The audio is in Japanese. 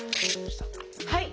はい！